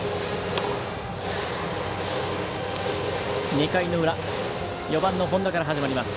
２回の裏４番の本田から始まります。